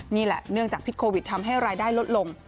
นี่แหละเนื่องจากพิษโควิดทำให้รายได้ลดลง